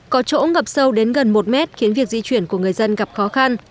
có chỗ ngập sâu đến gần một mét khiến việc di chuyển của người dân gặp khó khăn